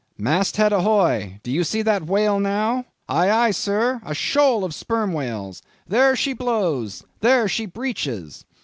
"Mast head ahoy! Do you see that whale now?" "Ay ay, sir! A shoal of Sperm Whales! There she blows! There she breaches!"